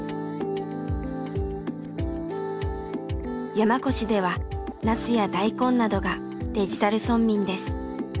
山古志ではなすや大根などがデジタル村民です。